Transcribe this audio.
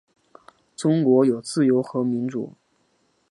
中国有自由和民主